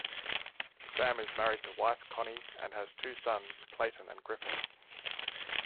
Sam is married to wife, Connie, and has two sons, Clayton and Griffin.